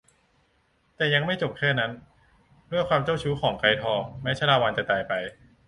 แต่ยังไม่จบแค่นั้นด้วยความเจ้าชู้ของไกรทองแม้ชาละวันตายไป